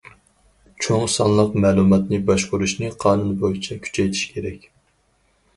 چوڭ سانلىق مەلۇماتنى باشقۇرۇشنى قانۇن بويىچە كۈچەيتىش كېرەك.